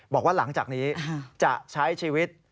บอกว่าหลังจากนี้จะใช้ชีวิต